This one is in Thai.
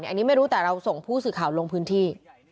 อันนี้ไม่รู้แต่เราส่งผู้สื่อข่าวลงพื้นที่